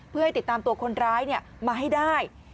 เพื่อให้ติดตามตัวคนร้ายมาให้ได้